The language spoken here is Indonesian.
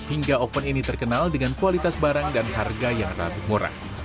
hingga oven ini terkenal dengan kualitas barang dan harga yang relatif murah